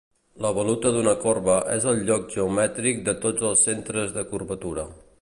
L'evoluta d'una corba és el lloc geomètric de tots els centres de curvatura.